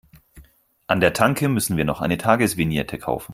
An der Tanke müssen wir noch eine Tagesvignette kaufen.